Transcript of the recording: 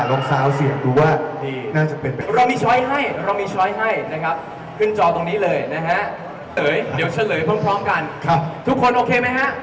ลองเสียงดูน่าจะเป็นเรามีชอบให้ขึ้นจอตรงนี้เลยนะฮะ